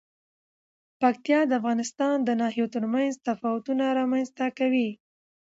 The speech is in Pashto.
پکتیا د افغانستان د ناحیو ترمنځ تفاوتونه رامنځ ته کوي.